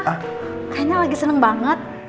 akhirnya lagi seneng banget